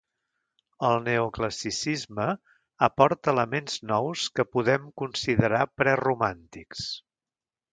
El Neoclassicisme aporta elements nous que podem considerar preromàntics.